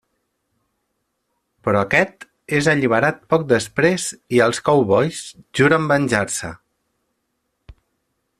Però aquest és alliberat poc després i els Cowboys juren venjar-se.